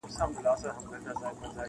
• که زندان که پنجره وه نس یې موړ وو -